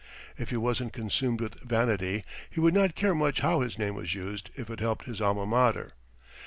If he wasn't consumed with vanity he would not care much how his name was used if it helped his Alma Mater.